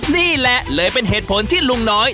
นี่แหละเลยเป็นเหตุผลที่ลุงน้อย